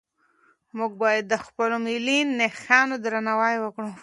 موږ باید د خپلو ملي نښانو درناوی وکړو.